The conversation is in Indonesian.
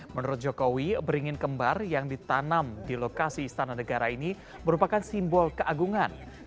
menurut jokowi beringin kembar yang ditanam di lokasi istana negara ini merupakan simbol keagungan